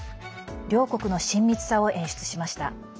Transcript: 両国の親密さを演出しました。